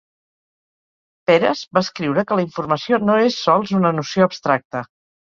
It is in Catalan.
Peres va escriure que la informació no és sols una noció abstracta.